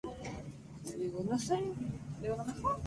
Es una obra con una fantasía verbal desbordante, paródica.